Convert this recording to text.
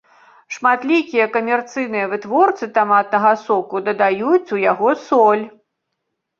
Шматлікія камерцыйныя вытворцы таматнага соку дадаюць у яго соль.